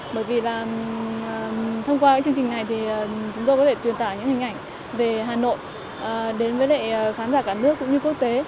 bởi vì là thông qua chương trình này thì chúng tôi có thể truyền tải những hình ảnh về hà nội đến với lại khán giả cả nước cũng như quốc tế